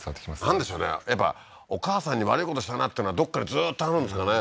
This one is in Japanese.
なんでしょうねやっぱお母さんに悪いことしたなっていうのがどっかにずーっとあるんですかね？